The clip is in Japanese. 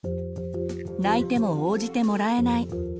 泣いても応じてもらえない。